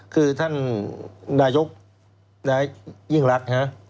คือท่านนายกยิ่งรักฮะ